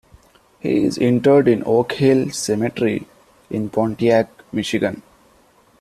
He is interred in Oak Hill Cemetery, in Pontiac, Michigan.